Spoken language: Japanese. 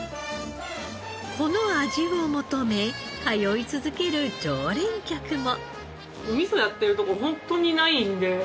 この味を求め通い続ける常連客も。